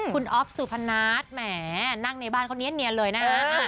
คุณอ๊อฟสุพนัทแหมนั่งในบ้านเขาเนียนเลยนะฮะ